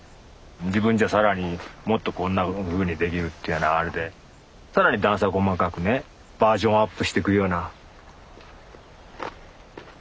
自分じゃ更にもっとこんなふうにできるっていうようなあれで更に段差細かくねバージョンアップしてくような。